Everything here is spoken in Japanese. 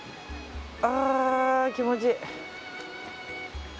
気持ちいい。